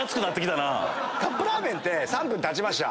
カップラーメンって３分たちました。